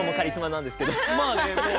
まあねもう。